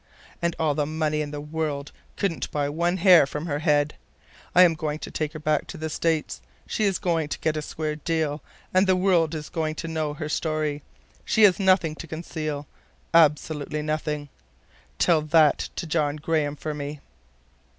And all the money in the world couldn't buy one hair from her head. I'm going to take her back to the States. She is going to get a square deal, and the world is going to know her story. She has nothing to conceal. Absolutely nothing. Tell that to John Graham for me."